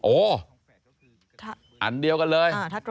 โอ้อันเดียวกันเลย